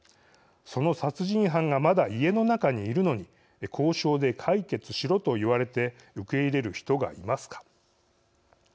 その殺人犯がまだ家の中にいるのに交渉で解決しろと言われて受け入れる人がいますか」